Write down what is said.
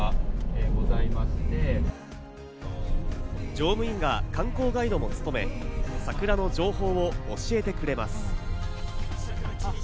乗務員が観光ガイドも務め、桜の情報を教えてくれます。